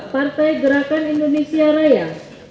partai gerakan indonesia raya